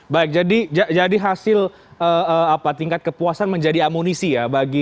baik jadi hasil tingkat kepuasan menjadi amunisi ya